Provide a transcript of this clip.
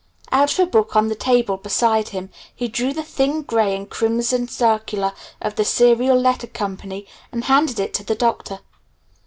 Out of a book on the table beside him he drew the thin gray and crimson circular of The Serial Letter Co. and handed it to the Doctor.